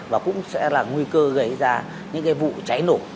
và cũng sẽ là nguy cơ gây ra những cái vụ cháy nổ